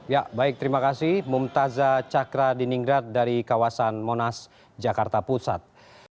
ya baik terima kasih mumtazza chakra diningrat dari kawasan monas jakarta pusat